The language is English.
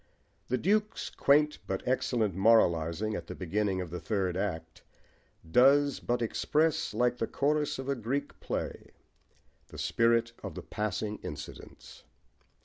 The Duke's quaint but excellent moralising at the beginning of the third act does but express, like the chorus of a Greek play, the spirit of the passing incidents.